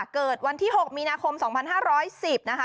เกิดวันที่๖มีนาคม๒๕๑๐นะคะ